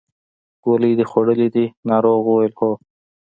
ګولۍ دې خوړلې دي ناروغ وویل هو.